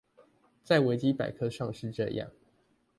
在維基百科上是這樣